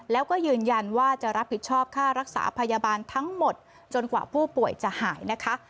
แล้วก็ยืนยันว่าจะรับผิดชอบค่ารักษาพยาบาลทั้งหมดจนกว่าผู้ป่วยจะหายนะคะ